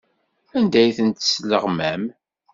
Anda ay tent-tesleɣmam?